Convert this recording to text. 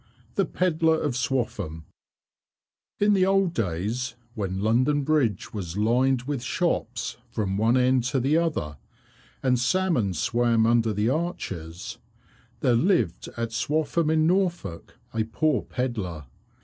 The Pedlar of Swaffham In the old days when London Bridge was lined with shops from one end to the other, and salmon swam under the arches, there lived at Swaffham, in Norfolk, a poor pedlar.